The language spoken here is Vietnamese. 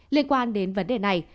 liên quan đến vấn đề này